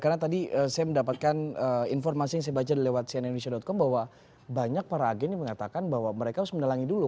karena tadi saya mendapatkan informasi yang saya baca lewat cnindonesia com bahwa banyak para agen yang mengatakan bahwa mereka harus menelangi dulu